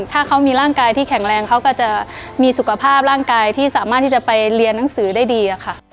ถ้าเขามีร่างกายที่แข็งแรงเขาก็จะมีสุขภาพร่างกายที่สามารถที่จะไปเรียนหนังสือได้ดีค่ะ